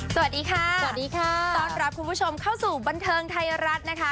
สวัสดีค่ะสวัสดีค่ะต้อนรับคุณผู้ชมเข้าสู่บันเทิงไทยรัฐนะคะ